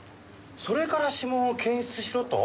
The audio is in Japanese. それから指紋を検出しろと？